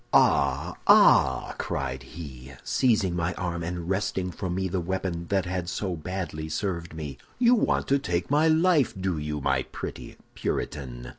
"'Ah, ah!' cried he, seizing my arm, and wresting from me the weapon that had so badly served me, 'you want to take my life, do you, my pretty Puritan?